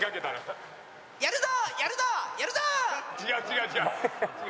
違う違う違う。